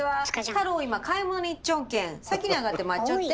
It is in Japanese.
太郎今買い物に行っちょんけん先に上がって待っちょって！